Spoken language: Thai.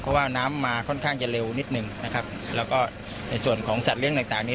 เพราะว่าน้ำมาค่อนข้างจะเร็วนิดหนึ่งนะครับแล้วก็ในส่วนของสัตว์ต่างต่างนี้